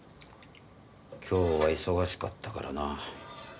今日は忙しかったからな。